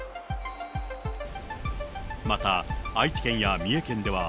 また、愛知県や三重県では、